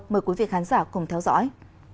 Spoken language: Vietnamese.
mời quý vị khán giả cùng theo dõi